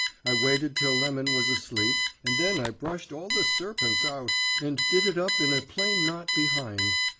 I waited till Lemon was asleep, and then I brushed all the serpents out, and did it up in a plain knot behind.